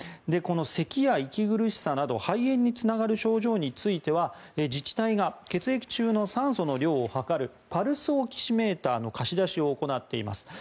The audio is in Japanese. このせきや息苦しさなど肺炎につながる症状については自治体が血液中の酸素の量を測るパルスオキシメーターの貸し出しを行っています。